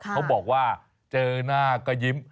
เขาบอกว่าเจอหน้าก็ยิ้ม